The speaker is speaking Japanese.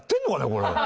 これ。